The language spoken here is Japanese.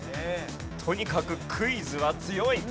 とにかくクイズは強い。